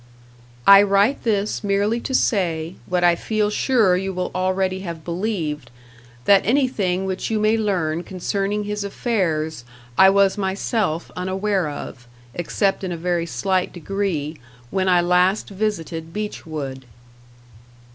"I write this merely to say, what I feel sure you will already have believed that anything which you may learn concerning his affairs, I was myself unaware of, except in a very slight degree, when I last visited Beechwood.